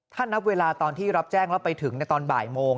ถ้านับเวลาตอนที่รับแจ้งแล้วไปถึงในตอนบ่ายโมง